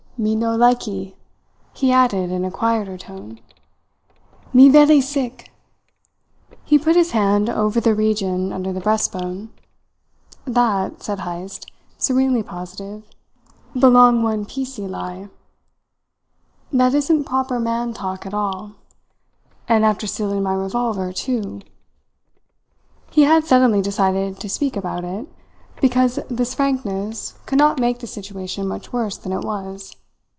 "Me no likee," he added in a quieter tone. "Me velly sick." He put his hand over the region under the breast bone. "That," said Heyst, serenely positive, "belong one piecee lie. That isn't proper man talk at all. And after stealing my revolver, too!" He had suddenly decided to speak about it, because this frankness could not make the situation much worse than it was.